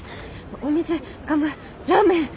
お水ガムラーメン。